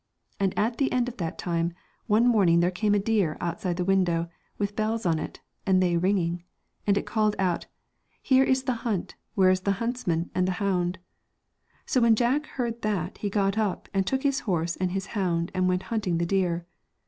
And at the end of that time, one morning there came a deer outside the window, with bells on it, and they ringing. And it called out, ' Here is the hunt, where is the huntsman and the hound ?' So when Jack heard that he got up and took his horse and his hound and went hunting the deer.